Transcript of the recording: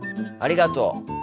ありがとう。